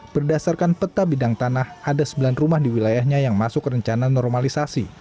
berdasarkan peta bidang tanah ada sembilan rumah di wilayahnya yang masuk rencana normalisasi